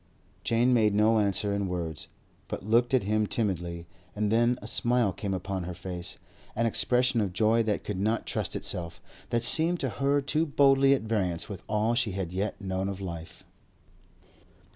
Jane made no answer in words, but locked at him timidly; and then a smile came upon her face, an expression of joy that could not trust itself, that seemed to her too boldly at variance with all she had yet known of life.